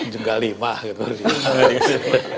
juga lima gitu harusnya